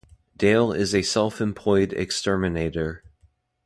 Dale is a self-employed exterminator.